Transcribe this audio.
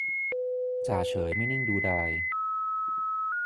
จ่าเฉยไม่นิ่งดูดาย